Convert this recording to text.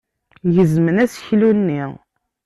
Gezmen aseklu-nni.